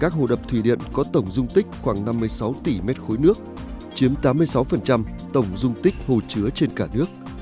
các hồ đập thủy điện có tổng dung tích khoảng năm mươi sáu tỷ m ba nước chiếm tám mươi sáu tổng dung tích hồ chứa trên cả nước